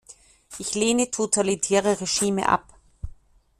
Ich lehne totalitäre Regime ab.